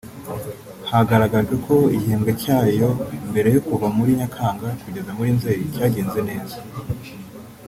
hagaragajwe ko igihembwe cyayo mbere cyo kuva muri Nyakanga kugeza muri Nzeri cyagenze neza